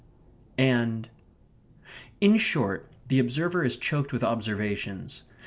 and ... In short, the observer is choked with observations.